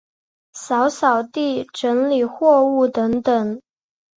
扫扫地、整理货物等等